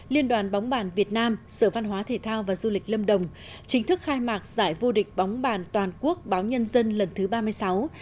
liên đoàn bóng bàn việt nam sở văn hóa thể thao và du lịch lâm đồng chính thức khai mạc giải vô địch bóng bàn toàn quốc báo nhân dân lần thứ ba mươi sáu